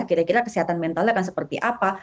kira kira kesehatan mentalnya akan seperti apa